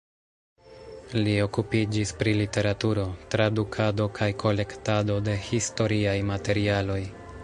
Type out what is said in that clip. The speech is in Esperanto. Li okupiĝis pri literaturo, tradukado kaj kolektado de historiaj materialoj.